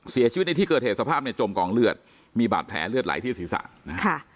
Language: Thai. เสียชีวิตในที่เกิดเหตุสภาพในจมกองเลือดมีบาดแผลเลือดไหลที่ศีรษะนะฮะ